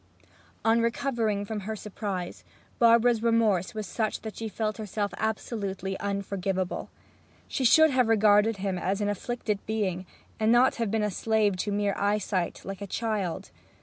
On recovering from her surprise, Barbara's remorse was such that she felt herself absolutely unforgiveable. She should have regarded him as an afflicted being, and not have been this slave to mere eyesight, like a child.